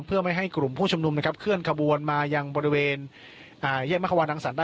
เพื่อไม่ให้กลุ่มผู้ชมนุมนะครับเคลื่อนขบวนมาอย่างบริเวณเยี่ยมมหาวานรังสรรค์ได้